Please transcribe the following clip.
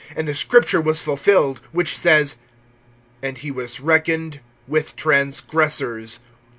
(28)And the scripture was fulfilled, which says: And he was reckoned with transgressors.